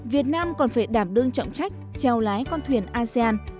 việt nam còn phải đảm đương trọng trách treo lái con thuyền asean